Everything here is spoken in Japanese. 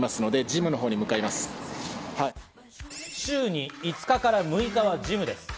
週に５日から６日はジムです。